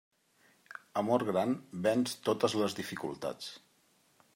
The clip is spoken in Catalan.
Amor gran venç totes les dificultats.